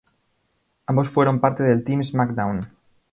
Ambos fueron parte del Team SmackDown!